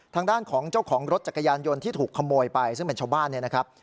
ทางด้านของเจ้าของรถจักรยานยนต์ที่ถูกขโมยไปซึ่งเป็นชาวบ้านเนี่ยนะครับ